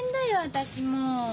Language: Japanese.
私も。